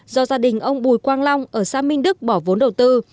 do gia đình ông bùi quang long ở xã minh đức bỏ vốn đầu tư